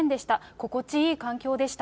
心地いい環境でした。